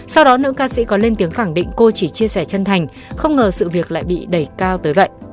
sau đó nữ ca sĩ có lên tiếng khẳng định cô chỉ chia sẻ chân thành không ngờ sự việc lại bị đẩy cao tới vậy